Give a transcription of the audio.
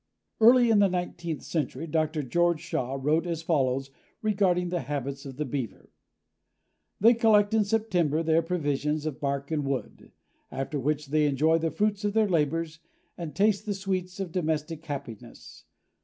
Early in the nineteenth century Dr. George Shaw wrote as follows regarding the habits of the Beaver: "They collect in September their provisions of bark and wood; after which they enjoy the fruits of their labors, and taste the sweets of domestic happiness.